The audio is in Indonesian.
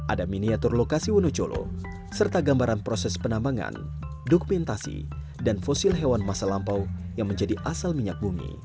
ada miniatur lokasi wonocolo serta gambaran proses penambangan dokumentasi dan fosil hewan masa lampau yang menjadi asal minyak bumi